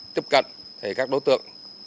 tiếp cận thì các đối tượng